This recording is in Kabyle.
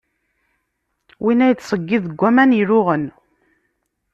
Winna yettseyyiḍ deg aman illuɣen.